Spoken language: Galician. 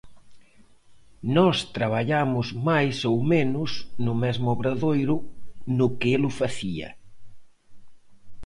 Nós traballamos máis ou menos no mesmo obradoiro no que el o facía.